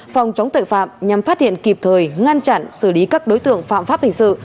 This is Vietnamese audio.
phòng chống tội phạm nhằm phát hiện kịp thời ngăn chặn xử lý các đối tượng phạm pháp hình sự